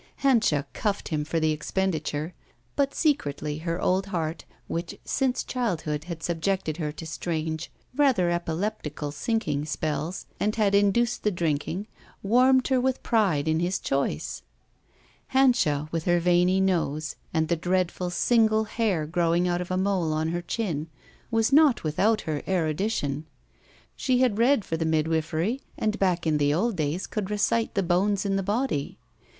Hanscha cuffed him for the expenditure, but secretly her old heart, which since childhood had subjected her to strange, rather epileptical, sinking spells, and had induced the drinking, warmed her with pride in his choice. Hanscha, with her veiny nose and the dread ful single hair growing out of a mole on her chin, was not without her erudition. She had read for the midwifery, and back in the old days could recite the bones in the body.